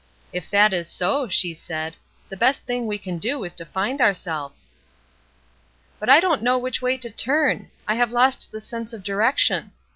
"If that is so," she said, "the best thing we can do is to find ourselves." "But I don't know which way to turn; I have lost the sense of direction."